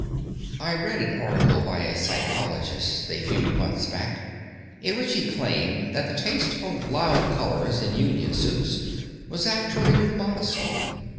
I read an article by a psychologist a few months back, in which he claimed that the taste for loud colors in union suits was actually due to modesty.